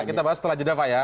kita bahas setelah jeda pak ya